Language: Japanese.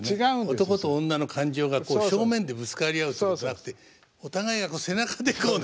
男と女の感情がこう正面でぶつかり合うっていうことはなくてお互いが背中でこうね。